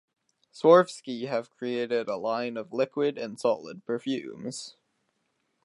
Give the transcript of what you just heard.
Swarovski have created a line of liquid and solid perfumes.